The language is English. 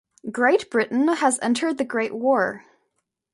Great Britain has entered the Great War.